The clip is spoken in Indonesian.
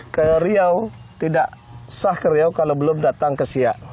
ke riau tidak sah ke riau kalau belum datang ke siak